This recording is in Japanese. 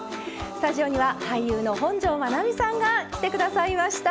スタジオには俳優の本上まなみさんが来てくださいました。